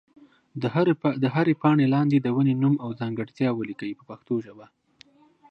د هرې پاڼې لاندې د ونې نوم او ځانګړتیا ولیکئ په پښتو ژبه.